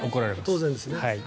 当然ですね。